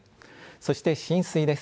そして浸水です。